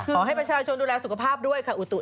ขอให้บัญชาชนดูแลสุขภาพด้วยค่ะ